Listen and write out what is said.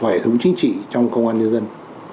và hệ thống chính trị trong công an nhân dân